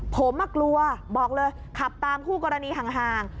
ผมกลัวบอกเลยขับตามคู่กรณีห่าง